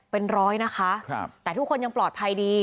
เป็นร้อยนะคะแต่ทุกคนยังปลอดภัยดี